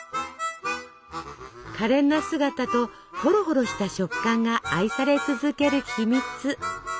可憐な姿とホロホロした食感が愛され続ける秘密。